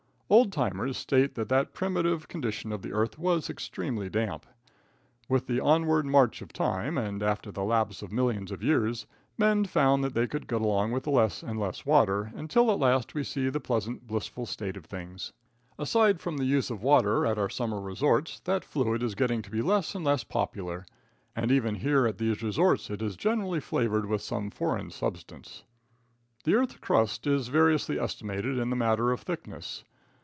Old timers state that the primitive condition of the earth was extremely damp. With the onward march of time, and after the lapse of millions of years, men found that they could get along with less and less water, until at last we see the pleasant, blissful state of things. Aside from the use of water at our summer resorts, that fluid is getting to be less and less popular. And even here at these resorts it is generally flavored with some foreign substance. [Illustration: THE MASTODON.] The earth's crust is variously estimated in the matter of thickness.